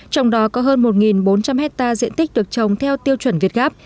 trong đó có hơn một bốn trăm linh hectare diện tích được trồng theo tiêu chuẩn việt gáp